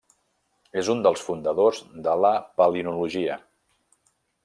És un dels fundadors de la palinologia.